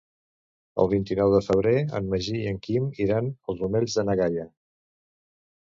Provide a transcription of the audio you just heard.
El vint-i-nou de febrer en Magí i en Quim iran als Omells de na Gaia.